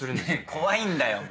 怖いんだよ！